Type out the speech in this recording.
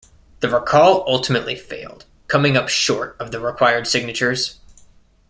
The recall ultimately failed, coming up short of the required signatures.